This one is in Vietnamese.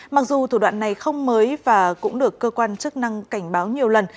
mặc dù thủ đoạn này không mới và cũng được cơ quan chức năng cảnh báo nhiều lần